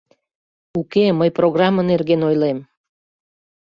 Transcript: — Уке, мый программе нерген ойлем